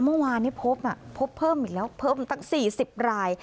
เมื่อวานนี้พบเพิ่มอีกแล้วเพิ่มตั้ง๔๐ราย